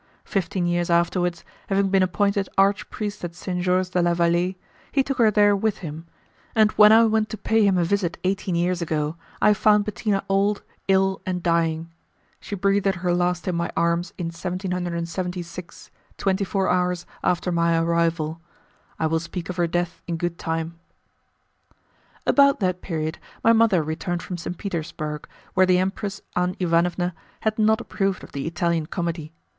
Fifteen years afterwards, having been appointed arch priest at Saint George de la Vallee, he took her there with him, and when I went to pay him a visit eighteen years ago, I found Bettina old, ill, and dying. She breathed her last in my arms in 1776, twenty four hours after my arrival. I will speak of her death in good time. About that period, my mother returned from St. Petersburg, where the Empress Anne Iwanowa had not approved of the Italian comedy.